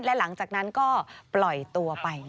และหลังจากนั้นก็ปล่อยตัวไป